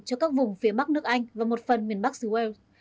cho các vùng phía bắc nước anh và một phần miền bắc sure